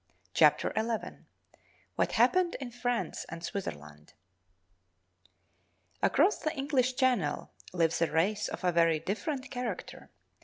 CHAPTER ELEVEN What Happened in France and Switzerland Across the English Channel lives a race of a very different character.